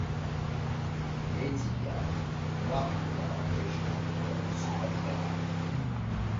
Les tibias, noirs en dedans et jaunes en dehors, ne sont pas dilatés.